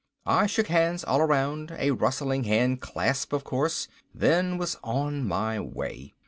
I shook hands all around a rustling hand clasp of course then was on my way.